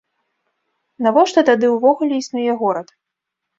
Навошта тады ўвогуле існуе горад?